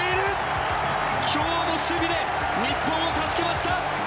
今日も守備で日本を助けました！